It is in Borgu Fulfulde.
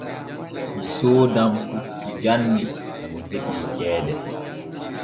Mi soodan puccu janni to mi heɓii ceede.